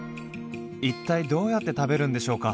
一体どうやって食べるんでしょうか？